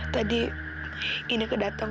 tadi ini kedatang